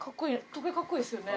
時計格好いいですよね。